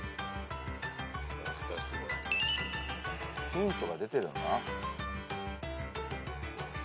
ヒントが出てる。